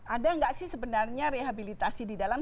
ada nggak sih sebenarnya rehabilitasi di dalam